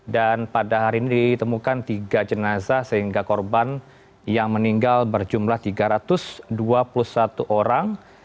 dan pada hari ini ditemukan tiga jenazah sehingga korban yang meninggal berjumlah tiga ratus orang